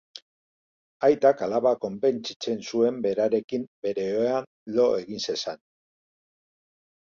Aitak alaba konbentzitzen zuen berarekin bere ohean lo egin zezan.